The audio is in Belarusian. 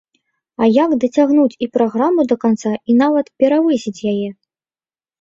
А як дацягнуць і праграму да канца і нават перавысіць яе?